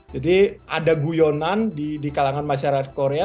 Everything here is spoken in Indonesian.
jadi ada guyonan di kalangan masyarakat korea